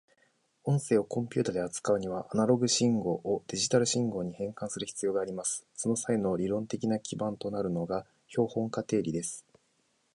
音声をコンピュータで扱うためには、アナログ信号をデジタル信号に変換する必要があります。その際の理論的な基盤となるのが標本化定理です。